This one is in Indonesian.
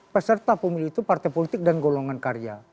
peserta pemilu itu partai politik dan golongan karya